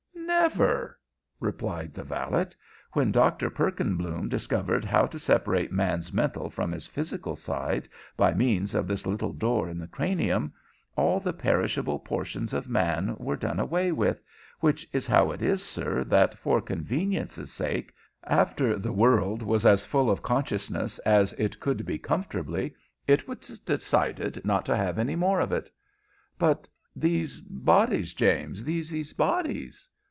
"Never," replied the valet. "When Dr. Perkinbloom discovered how to separate man's mental from his physical side, by means of this little door in the cranium, all the perishable portions of man were done away with, which is how it is, sir, that, for convenience' sake, after the world was as full of consciousness as it could be comfortably, it was decided not to have any more of it." "But these bodies, James these bodies?"